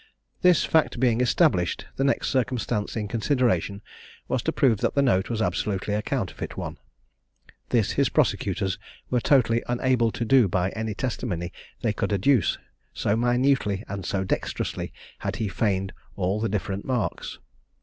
This fact being established, the next circumstance in consideration was to prove that the note was absolutely a counterfeit one. This his prosecutors were totally unable to do by any testimony they could adduce, so minutely and so dexterously had he feigned all the different marks.